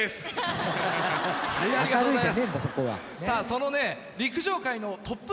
さあそのね。